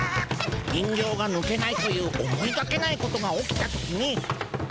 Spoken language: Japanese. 人形がぬけないという思いがけないことが起きた時に。